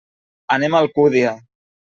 Anem a Alcúdia.